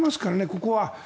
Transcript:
ここは。